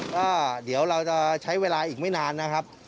ก็เดี๋ยวเราจะใช้เวลาอีกไม่นานนะครับ